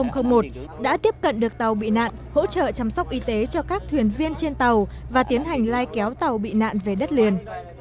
csb sáu nghìn một đã tiếp cận được tàu bị nạn hỗ trợ chăm sóc y tế cho các thuyền viên trên tàu và tiến hành lai kéo tàu bị nạn về đất liền